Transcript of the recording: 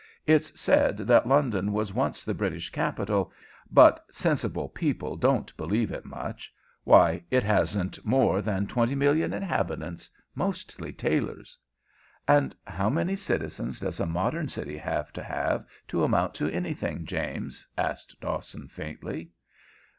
"It's said that London was once the British capital, but sensible people don't believe it much. Why, it hasn't more than twenty million inhabitants, mostly tailors." "And how many citizens does a modern city have to have, to amount to anything, James?" asked Dawson, faintly.